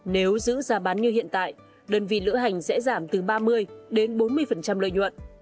nếu giữ giá bán như hiện tại đơn vị lữ hành sẽ giảm từ ba mươi đến bốn mươi lợi nhuận